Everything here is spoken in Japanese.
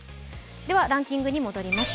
ランキングに戻ります。